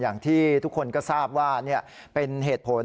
อย่างที่ทุกคนก็ทราบว่าเป็นเหตุผล